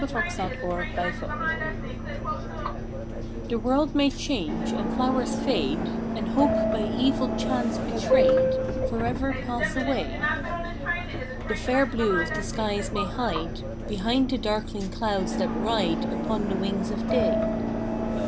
THE IMMORTAL THING PHE world may change, and flowers fade, And Hope by evil chance betrayed Forever pass away. The fair blue of the skies may hide Behind the darkling clouds that ride Upon the wings of day.